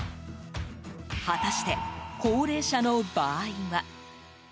果たして、高齢者の場合は？